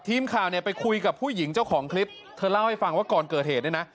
ทีมข่าวเนี่ยไปคุยกับผู้หญิงเจ้าของคลิปเธอเล่าให้ฟังว่าก่อนเกิดเหตุเนี่ยนะ